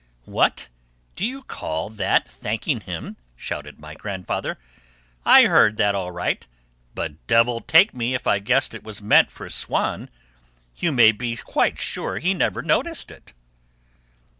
'" "What! Do you call that thanking him?" shouted my grandfather. "I heard that all right, but devil take me if I guessed it was meant for Swann. You may be quite sure he never noticed it."